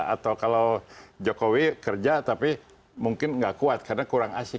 atau kalau jokowi kerja tapi mungkin nggak kuat karena kurang asik